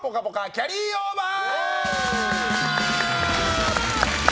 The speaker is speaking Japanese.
キャリーオーバー！